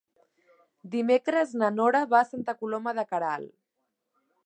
Dimecres na Nora va a Santa Coloma de Queralt.